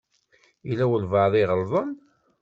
Yella walebɛaḍ i iɣelḍen.